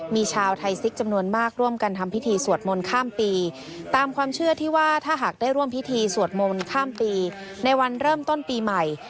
มีชาวไทยซิกจำนวนมากร่วมกันทำพิธีสวดมนต์ข้ามปีตามความเชื่อที่ว่าถ้าหากได้ร่วมพิธีสวดมนต์ข้ามปีในวันเริ่มต้นปีใหม่